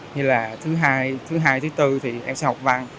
như là thứ hai thứ bốn thì em sẽ học văn